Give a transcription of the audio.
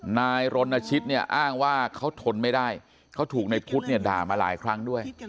นายรณชิตเนี่ยอ้างว่าเขาทนไม่ได้เขาถูกในพุทธเนี่ยด่ามาหลายครั้งด้วย